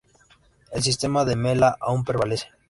El sistema de mela aún prevalece.